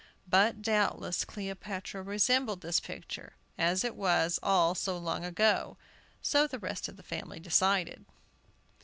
But doubtless Cleopatra resembled this picture, as it was all so long ago, so the rest of the family decided.